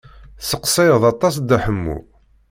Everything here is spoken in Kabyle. Tesseqsayeḍ aṭas Dda Ḥemmu.